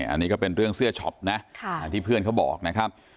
อันนี้ก็เป็นเรื่องเสื้อช็อปนะที่เพื่อนเขาบอกนะครับ